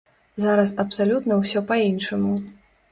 Зараз абсалютна ўсё па-іншаму.